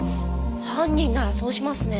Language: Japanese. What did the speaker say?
犯人ならそうしますね。